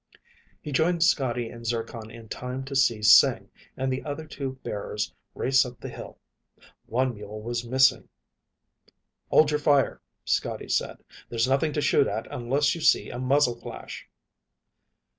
He joined Scotty and Zircon in time to see Sing and the other two bearers race up the hill. One mule was missing. "Hold your fire," Scotty said. "There's nothing to shoot at unless you see a muzzle flash."